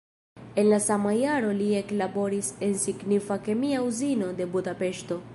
En la sama jaro li eklaboris en signifa kemia uzino de Budapeŝto.